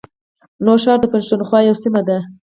نوښار د پښتونخوا یوه سیمه ده